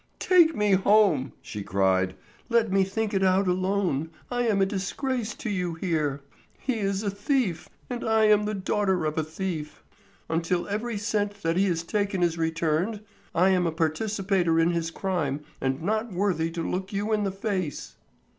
"Take me home!" she cried; "let me think it out alone. I am a disgrace to you here; he is a thief and I am the daughter of a thief. Until every cent that he has taken is returned, I am a participator in his crime and not worthy to look you in the face."